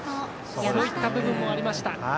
そういった部分もありました。